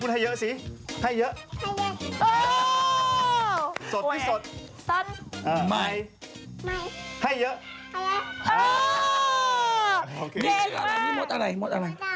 เห็นมากมัวนะอันนี้มดอะไร